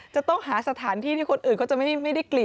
จะต้องหาสถานที่ที่คนอื่นเขาจะไม่ได้กลิ่น